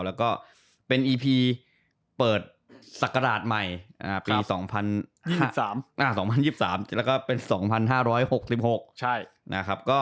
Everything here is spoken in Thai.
แล้วก็เป็นอีพีเปิดสักกระดาษใหม่ปี๒๐๒๓แล้วก็เป็น๒๕๖๖